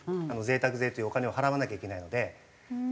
贅沢税というお金を払わなきゃいけないので。